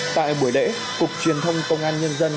tại buổi lễ cục truyền thông công an nhân dân